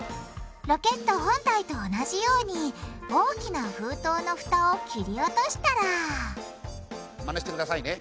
ロケット本体と同じように大きな封筒のフタを切り落としたらまねしてくださいね。